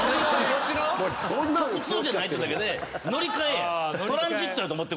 ⁉直通じゃないってだけで乗り換えや。